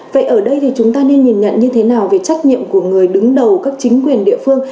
vậy ở đây thì chúng ta nên nhìn nhận như thế nào về trách nhiệm của người đứng đầu các chính quyền địa phương